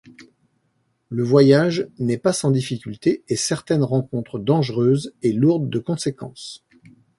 Le voyage n'est pas sans difficultés et certaines rencontres dangereuses et lourdes de conséquences.